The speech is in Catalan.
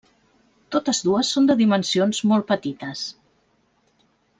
Totes dues són de dimensions molt petites.